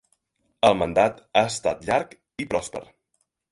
El mandat ha estat llarg i pròsper.